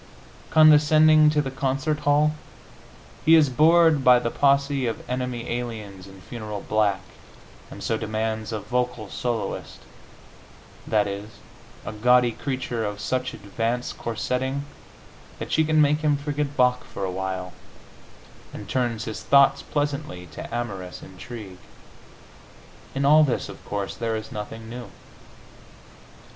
Condescending to the concert hall, he is bored by the posse of enemy aliens in funereal black, and so demands a vocal soloist that is, a gaudy creature of such advanced corsetting that she can make him forget Bach for a while, and turn his thoughts pleasantly to amorous intrigue. In all this, of course, there is nothing new.